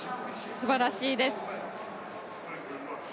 すばらしいです。